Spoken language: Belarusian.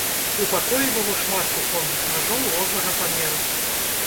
У пакоі было шмат кухонных нажоў рознага памеру.